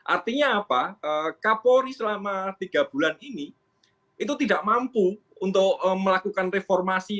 artinya apa kapolri selama tiga bulan ini itu tidak mampu untuk melakukan reformasi